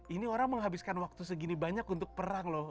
ini orang menghabiskan waktu segini banyak untuk perang loh